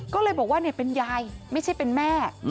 ก็เลยบอกว่าเป็นยายไม่ใช่เป็นแม่